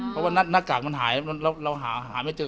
เพราะว่าหน้ากากมันหายเราหาไม่เจอ